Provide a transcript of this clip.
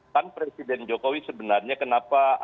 kan presiden jokowi sebenarnya kenapa